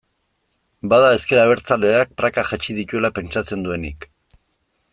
Bada ezker abertzaleak prakak jaitsi dituela pentsatzen duenik.